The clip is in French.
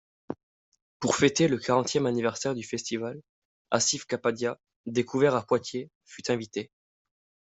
Pour fêter le quarantième anniversaire du festival, Asif Kapadia, découvert à Poitiers, fut invité.